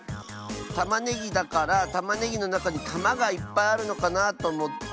たまねぎだからたまねぎのなかにたまがいっぱいあるのかなとおもって。